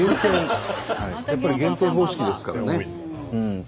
やっぱり減点方式ですからね。